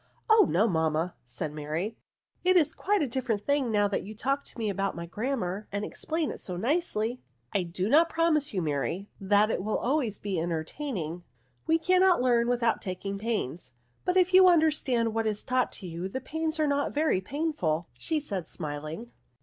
Oh no, mamma," said Mary; ''it is quite a different thing now that you talk to me about my Grammar, and explain it so nicely." *' I do not promise you, Mary, that it will be always entertaining. We cannot learn without taking pains ; but if you understand what is taught you, the pains are not very painful," said she, smiling.